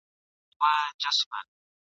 بېګانه له خپله ښاره، له خپل کلي پردو خلکو! ..